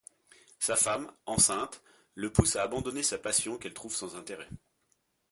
Sa femme, enceinte, le pousse à abandonner sa passion qu'elle trouve sans intérêt.